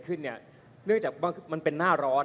คุณเขตรัฐพยายามจะบอกว่าโอ้เลิกพูดเถอะประชาธิปไตย